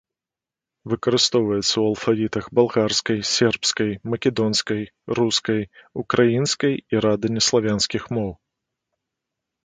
Выкарыстоўваецца ў алфавітах балгарскай, сербскай, македонскай, рускай, украінскай і рада неславянскіх моў.